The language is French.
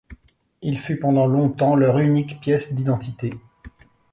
Il fût pendant longtemps leur unique pièce d'identité.